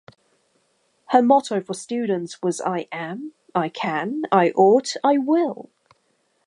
Her motto for students was I am, I can, I ought, I will.